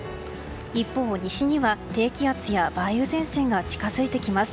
一方、西には低気圧や梅雨前線が近づいてきます。